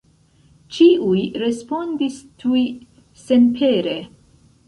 Ĉiuj respondis tuj senpere.